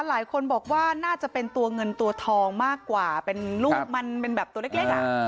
หลายคนบอกว่าน่าจะเป็นตัวเงินตัวทองมากกว่าเป็นลูกมันเป็นแบบตัวเล็ก